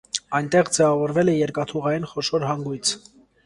Այնտեղ ձևավորվել է երկաթուղային խոշոր հանգույց։